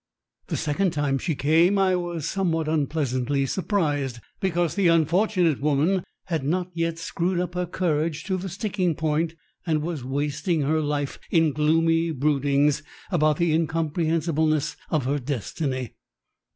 The second time she came I was somewhat unpleasantly surprised, because the unfortunate woman had not yet screwed her courage to the sticking point and was wasting her life in gloomy broodings about the incomprehensibleness of her destiny.